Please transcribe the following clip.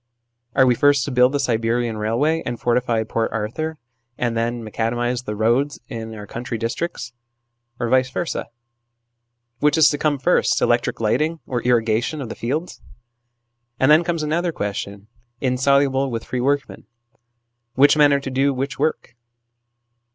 Are we first to build the Siberian railway and fortify Port Arthur, and then macadamise the roads in our country districts, or vice versd ? Which is to come first : electric lighting or irrigation of the fields ? And then comes another question, in soluble with free workmen : which men are to do which work